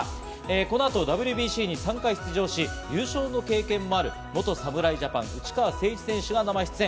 この後、ＷＢＣに３回出場し、優勝の経験もある元侍ジャパン・内川聖一選手が生出演。